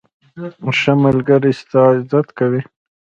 ښه ملګری ستا عزت کوي.